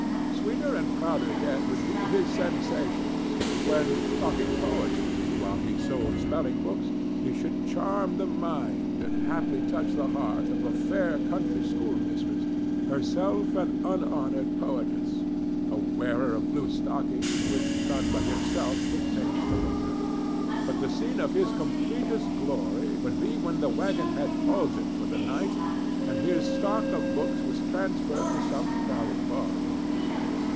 Sweeter and prouder yet would be his sensations when, talking poetry while he sold spelling books, he should charm the mind, and haply touch the heart, of a fair country schoolmistress, herself an unhonored poetess, a wearer of blue stockings which none but himself took pains to look at. But the scene of his completest glory would be when the wagon had halted for the night and his stock of books was transferred to some crowded bar room.